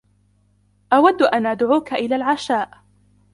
أود ان ادعوك إلى العشاء.